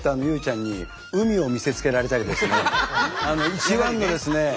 一番のですね